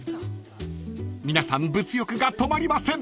［皆さん物欲が止まりません］